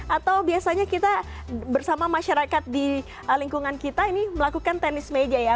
atau biasanya kita bersama masyarakat di lingkungan kita ini melakukan tenis meja ya